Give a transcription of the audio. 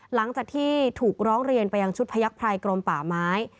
หลังจากที่ถูกร้องเรียนไปยังชุดพยักษภัยกรมป่าไม้